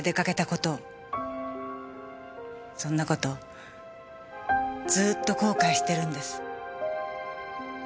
そんな事ずーっと後悔してるんです。